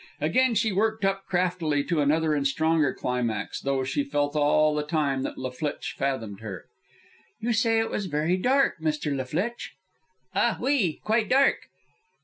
Again she worked up craftily to another and stronger climax, though she felt all the time that La Flitche fathomed her. "You say it was very dark, Mr. La Flitche?" "Ah, oui; quite dark."